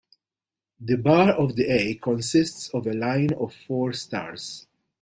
The bar of the "A" consists of a line of four stars.